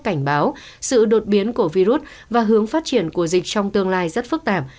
cảnh báo sự đột biến của virus và hướng phát triển của dịch trong tương lai rất phức tạp